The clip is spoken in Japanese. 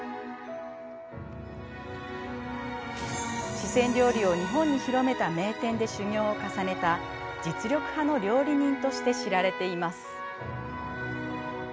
四川料理を日本に広めた名店で修業を重ねた実力派の料理人として知られています。